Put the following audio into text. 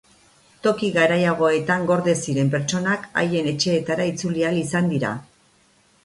Toki garaiagoetan gorde ziren pertsonak haien etxeetara itzuli ahal izan dira.